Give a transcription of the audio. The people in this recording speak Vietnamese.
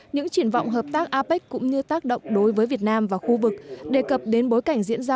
những triển vọng hợp tác apec cũng như tác động đối với việt nam và khu vực đề cập đến bối cảnh diễn ra